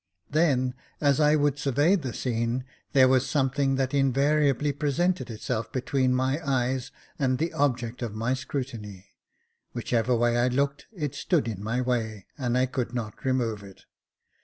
Then, as I would survey the scene, there was something that in variably presented itself between my eyes and the object of 44 Jacob Faithful my scrutiny ; whichever way I looked, it stood in my way, and I could not remove it.